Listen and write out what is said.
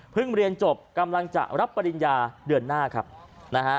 เรียนจบกำลังจะรับปริญญาเดือนหน้าครับนะฮะ